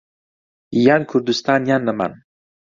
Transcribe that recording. یان کوردستان یان نەمان.